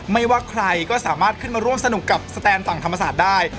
ไม่ว่าใครก็สามารถขึ้นมาร่วมสนุกกับสแตนฝั่งธรรมศาสตร์ได้